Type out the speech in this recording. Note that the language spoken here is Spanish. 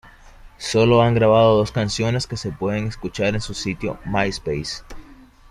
Solo han grabado dos canciones que se pueden escuchar en su sitio MySpace.